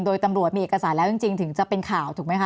โดยตำรวจมีเอกสารแล้วจริงถึงจะเป็นข่าวถูกไหมคะ